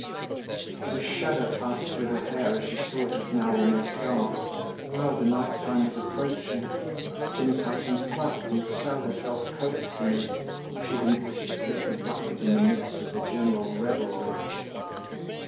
But a shudder passed through her hair as she saw it was now almost dark. Well, the night time was approaching. She must have some pluck and sell herself coaxingly if she didn't wish to kick the bucket in the midst of the general revelry.